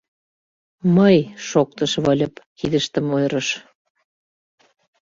— Мый! — шоктыш Выльып, кидыштым ойырыш.